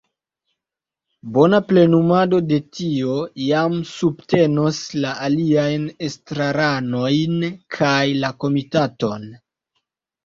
Bona plenumado de tio jam subtenos la aliajn estraranojn kaj la komitaton.